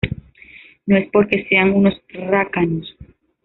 no es porque sean unos rácanos